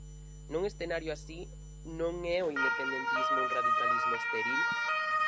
Nun escenario así, non é o independentismo un 'radicalismo estéril'?